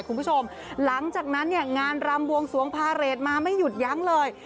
คุณผู้ชมหลังจากนั้นเนี่ยงานรำบวงสวงพาเรทมาไม่หยุดยั้งเลย